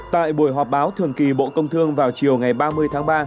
tại buổi họp báo thường kỳ bộ công thương vào chiều ngày ba mươi tháng ba